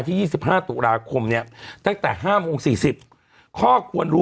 ที่ยี่สิบห้าตุราคมเนี้ยแต่จ่าห้าโมงสี่สิบข้อควร